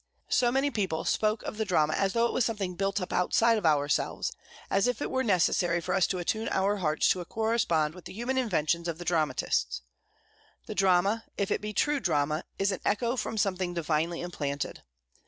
So many people spoke of the drama as though it was something built up outside of ourselves, as if it were necessary for us to attune our hearts to correspond with the human inventions of the dramatists. The drama, if it be true drama, is an echo from something divinely implanted.